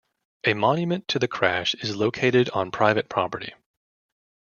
A monument to the crash is located on private property.